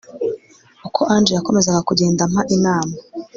Uko angel yakomezaga kugenda ampa inama